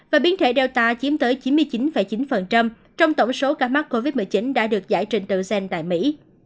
và biến thể data chiếm tới chín mươi chín chín trong tổng số ca mắc covid một mươi chín đã được giải trình tự gen tại mỹ